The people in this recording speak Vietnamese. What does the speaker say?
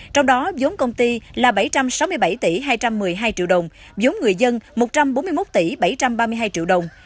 trong đó giống công ty là bảy trăm sáu mươi bảy tỷ hai trăm một mươi hai triệu đồng giống người dân một trăm bốn mươi một tỷ bảy trăm ba mươi hai triệu đồng